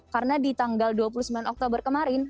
karena di tanggal dua puluh sembilan oktober kemarin